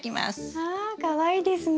わかわいいですね。